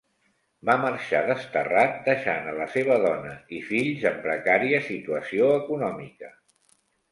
Va marxar desterrat deixant a la seva dona i fills en precària situació econòmica.